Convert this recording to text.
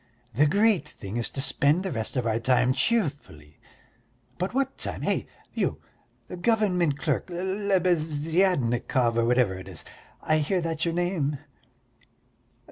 The great thing is to spend the rest of our time cheerfully; but what time? Hey, you, government clerk, Lebeziatnikov or whatever it is, I hear that's your name!"